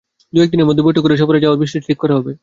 দু-এক দিনের মধ্যে বৈঠক করে সফরে যাওয়ার বিষয়টি ঠিক করা হবে।